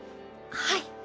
はい。